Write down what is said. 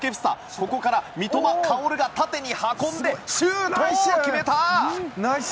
ここから三笘薫が縦に運んでシュートを決めた！